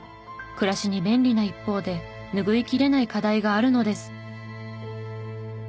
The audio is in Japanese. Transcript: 暮らしに便利な一方で拭いきれない課題があるのです。